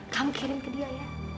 kamu kirim ke dia ya